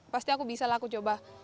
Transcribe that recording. pasti aku bisa lah aku coba